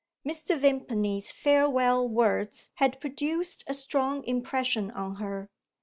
Mrs. Vimpany's farewell words had produced a strong impression on her.